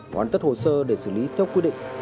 hoàn tất hồ sơ để xử lý theo quy định